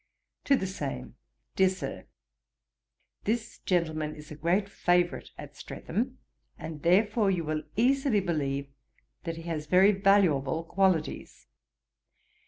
TO THE SAME. 'DEAR SIR, 'This gentleman is a great favourite at Streatham, and therefore you will easily believe that he has very valuable qualities.